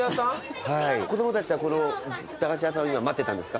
子供たちはこの駄菓子屋さんを今待ってたんですか？